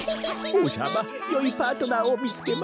おうさまよいパートナーをみつけましたな。